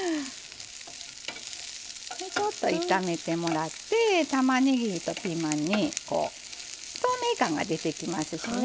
ちょっと炒めてもらってたまねぎとピーマンに透明感が出てきますしね